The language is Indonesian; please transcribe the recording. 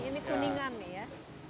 ini kuningan ya